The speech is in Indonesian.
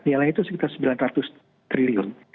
nilai itu sekitar rp sembilan ratus triliun